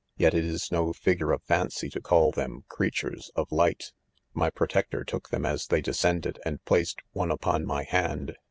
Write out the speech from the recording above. Yet it is no fig ure of Fancy to call them creatures of light. My protector took them as they descend ed, and placed one upon my hand.